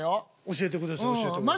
教えてください教えてください。